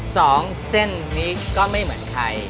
สองเส้นนี้ก็ไม่เหมือนใคร